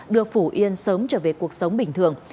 đưa phủ yên sớm trở về cuộc sống bình thường